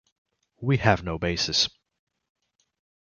'We have no basis.